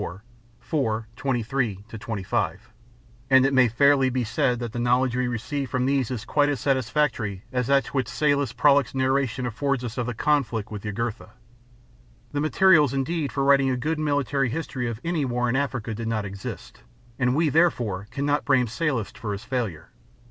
23 25), and it may fairly be said that the knowledge we receive from these is quite as satisfactory as that which Sallust's prolix narration affords us of the conflict with Jugurtha. The materials, indeed, for writing a good military history of any war in Africa did not exist, and we, therefore, cannot blame Sallust for his failure.